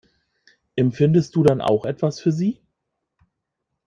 Empfindest du denn auch etwas für sie?